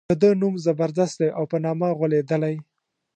د ده نوم زبردست دی او په نامه غولېدلی.